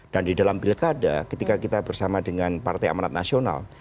dan di dalam pilkada ketika kita bersama dengan partai amanat nasional